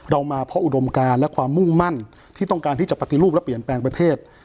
เรามาเพราะอุดมการและความมุ่งมั่นที่ต้องการที่จะปฏิรูปและเปลี่ยนแปลงประเทศ